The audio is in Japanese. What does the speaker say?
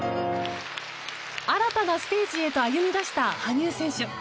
新たなステージへと歩み出した羽生選手。